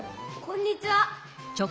こんにちは。